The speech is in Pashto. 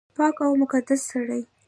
پاک او مقدس سړی